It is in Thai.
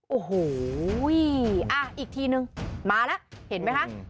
โอ้โหอีกทีนึงมาแล้วเห็นไหมคะ